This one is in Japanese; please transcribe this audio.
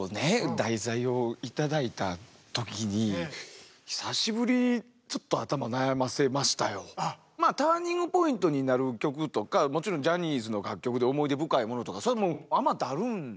題材を頂いた時にまあターニングポイントになる曲とかもちろんジャニーズの楽曲で思い出深いものとかそれはもうあまたあるんですけど。